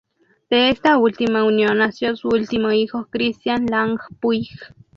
De esta última unión nació su último hijo, Christian Lange Puig.